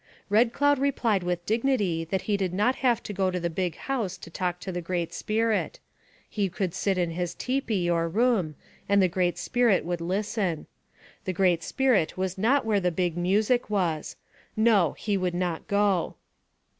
Red Cloud replied with dignity that he did not have to go to the big house to talk to the Great Spirit ; he could sit in his tipi or room, and the Great Spirit would listen. The Great Spirit was not where the big music was. No, he would not go.